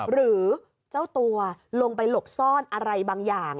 หรือเจ้าตัวลงไปหลบซ่อนอะไรบางอย่าง